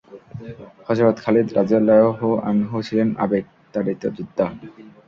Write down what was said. হযরত Khalid রাযিয়াল্লাহু আনহু ছিলেন আবেগতাড়িত যোদ্ধা।